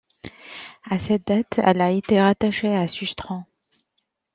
À cette date, elle a été rattachée à Susteren.